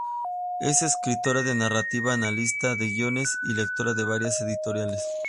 Es escritora de narrativa, analista de guiones y lectora de varias editoriales.